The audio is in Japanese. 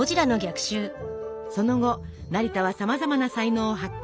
その後成田はさまざまな才能を発揮。